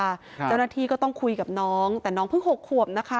เจ้าหน้าที่ก็ต้องคุยกับน้องแต่น้องเพิ่ง๖ขวบนะคะ